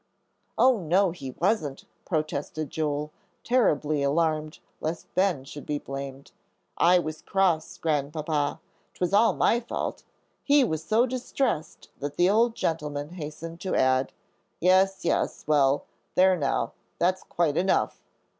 "Oh, no, he wasn't," protested Joel, terribly alarmed lest Ben should be blamed. "I was cross, Grandpapa. 'Twas all my fault." He was so distressed that the old gentleman hastened to add, "Yes, yes; well, there now, that's quite enough.